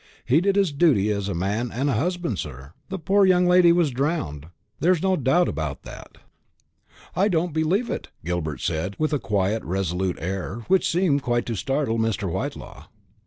He did his duty as a man and a husband, sir. The poor young lady was drowned there's no doubt about that." "I don't believe it," Gilbert said, with a quiet resolute air, which seemed quite to startle Mr. Whitelaw.